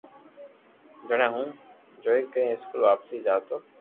جڻي ھون ڇوٽي ڪرين اسڪول واپس جاتو